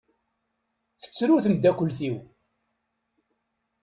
Tettru temdakelt-iw.